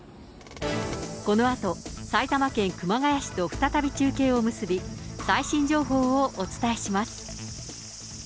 このあと埼玉県熊谷市と再び中継を結び、最新情報をお伝えします。